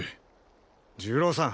重郎さん！